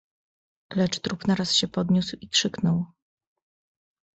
"Lecz trup naraz się podniósł i krzyknął."